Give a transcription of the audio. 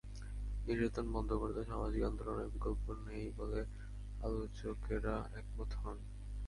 নির্যাতন বন্ধ করতে সামাজিক আন্দোলনের বিকল্প নেই বলে আলোচকেরা একমত হন।